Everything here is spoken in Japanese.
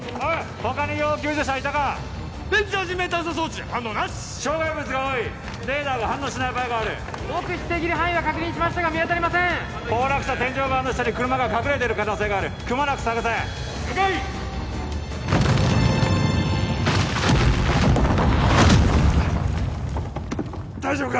他に要救助者はいたか電磁波人命探査装置反応なし障害物が多いレーダーが反応しない場合がある目視できる範囲は確認しましたが見当たりません崩落した天井板の下に車が隠れてる可能性があるくまなく探せ・了解大丈夫か？